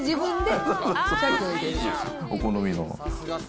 お好みの。